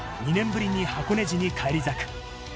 ２年ぶりに箱根路に帰り咲く。